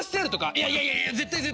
いやいやいや絶対絶対買わない！